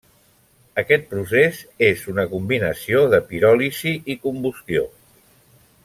Aquest procés és una combinació de piròlisi i combustió.